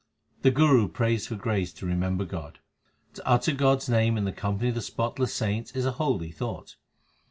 The Guru prays for grace to remember God : To utter God s name in the company of the spotless saints is a holy thought.